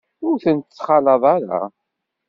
Ur tent-ttxalaḍ ara.